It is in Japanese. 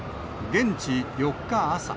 現地４日朝。